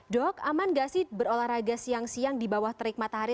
dok aman gak sih berolahraga siang siang di bawah terik matahari